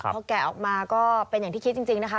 พอแกะออกมาก็เป็นอย่างที่คิดจริงนะคะ